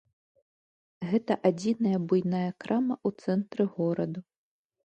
Гэта адзіная буйная крама ў цэнтры гораду.